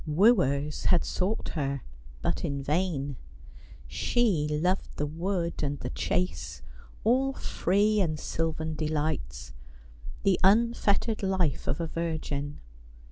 Wooers had sought her, but in vain. She loved the wood and the chase, all free and sylvan delights — the unfettered life of a virgin.